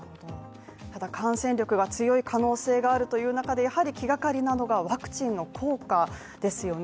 ただ感染力が強い可能性があるという中でやはり気がかりなのがワクチンの効果ですよね。